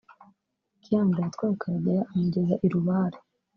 Kyanda yatwaye Karegeya amugeza i Rubare